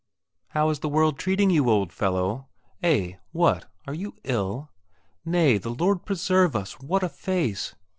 "How is the world treating you, old fellow? Eh, what, are you ill? Nay, the Lord preserve us, what a face!"